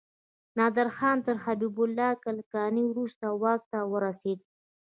نادر خان تر حبيب الله کلکاني وروسته واک ته ورسيد.